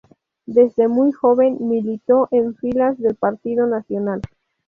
Desde muy joven militó en filas del Partido Nacional.